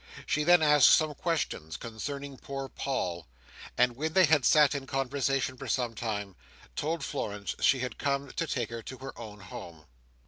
She then asked some questions concerning poor Paul; and when they had sat in conversation for some time, told Florence she had come to take her to her own home.